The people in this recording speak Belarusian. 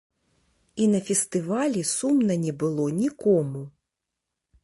І на фестывалі сумна не было нікому.